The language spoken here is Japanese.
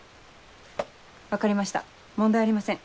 分かりました問題ありません